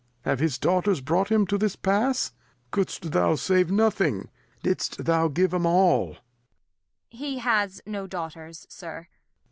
Lear. Have his Daughters brought him to this pass ? Cou'dst thou save Nothing ? Didst thou give them All